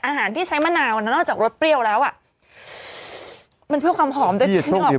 อาหารที่ใช้มะนาวนั้นออกจากรสเปรี้ยวแล้วอ่ะมันเพิ่มความหอมพี่ชอบกิน